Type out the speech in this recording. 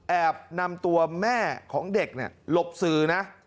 นำตัวแม่ของเด็กหลบสื่อนะ